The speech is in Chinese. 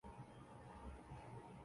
理事会授予委员会立法权。